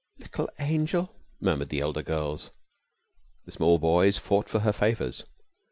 "Little angel," murmured the elder girls. The small boys fought for her favours.